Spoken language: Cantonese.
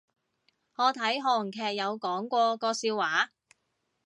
我睇韓劇有講過個笑話